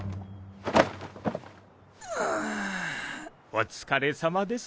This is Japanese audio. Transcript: お疲れさまです。